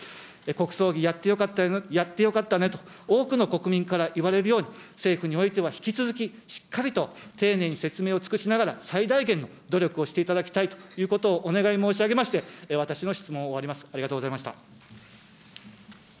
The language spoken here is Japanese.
国葬儀やってよかったねと、多くの国民から言われるように、政府においては、引き続きしっかりと丁寧に説明を尽くしながら、最大限の努力をしていただきたいということをお願い申し上げまして、私の質問を終わります。